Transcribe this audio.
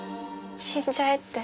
死んじゃえって。